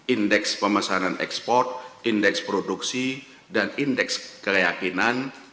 indeks pemesanan ekspor indeks produksi dan indeks keyakinan